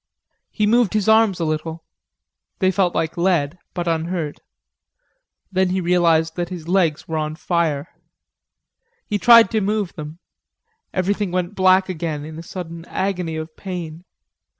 He moved his arms a little. They felt like lead, but unhurt. Then he realized that his legs were on fire. He tried to move them; everything went black again in a sudden agony of pain.